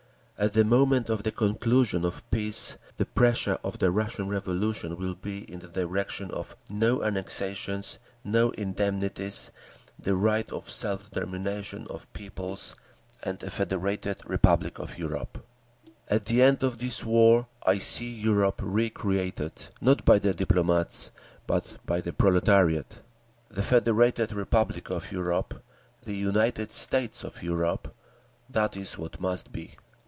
At the moment of the conclusion of peace the pressure of the Russian Revolution will be in the direction of 'no annexations, no indemnities, the right of self determination of peoples,' and a Federated Republic of Europe.… "At the end of this war I see Europe recreated, not by the diplomats, but by the proletariat. The Federated Republic of Europe—the United States of Europe—that is what must be.